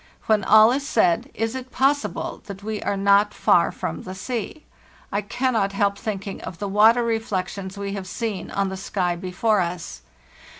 When all is said, is it possible that we are not far from the sea? I cannot help thinking of the water reflections we have seen on the sky before us.